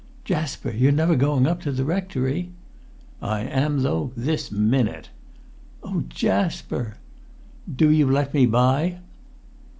"Jasper! You're never going up to the rectory?" "I am, though—this minute!" "Oh, Jasper!" "Do you let me by."